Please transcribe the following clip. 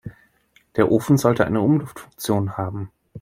Der Ofen sollte eine Umluftfunktion haben.